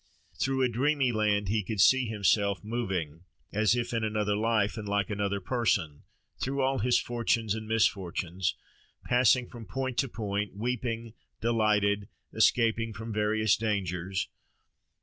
Through a dreamy land he could see himself moving, as if in another life, and like another person, through all his fortunes and misfortunes, passing from point to point, weeping, delighted, escaping from various dangers.